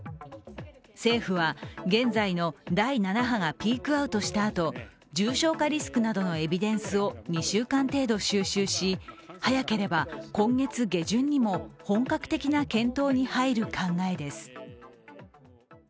政府は、現在の第７波がピークアウトしたあと重症化リスクなどのエビデンスを２週間程度収集し、早ければ、今月下旬にも本格的な検討に入る考えです。